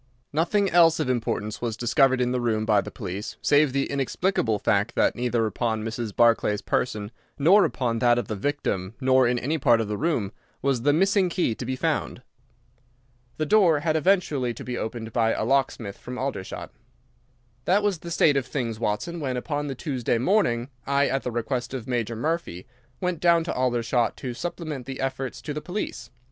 Nothing else of importance was discovered in the room by the police, save the inexplicable fact that neither upon Mrs. Barclay's person nor upon that of the victim nor in any part of the room was the missing key to be found. The door had eventually to be opened by a locksmith from Aldershot. "That was the state of things, Watson, when upon the Tuesday morning I, at the request of Major Murphy, went down to Aldershot to supplement the efforts of the police.